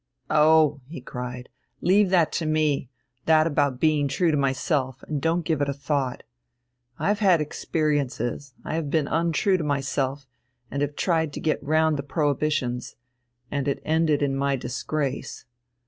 "Oh," he cried, "leave that to me, that about being true to myself, and don't give it a thought! I have had experiences, I have been untrue to myself and have tried to get round the prohibitions, and it ended in my disgrace.